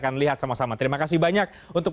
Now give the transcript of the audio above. akan lihat sama sama terima kasih banyak untuk